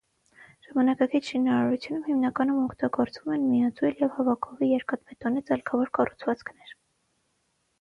Ժամանակակից շինարարությունում հիմնականում օգտագործվում են միաձույլ և հավաքովի երկաթբետոնե ծալքավոր կառուցվածքներ։